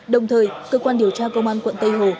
đồng thời cơ quan điều tra công an quận tây hồ